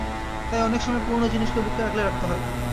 তাই অনেক সময় পুরোনো জিনিসকে বুকে আগলে রাখতে হয়।